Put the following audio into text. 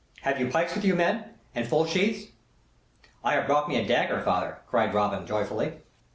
Have you pikes with you, men, and full sheaths?" "I have brought me a dagger, father," cried Robin, joyfully.